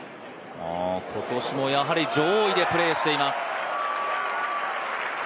今年もやはり上位でプレーしています。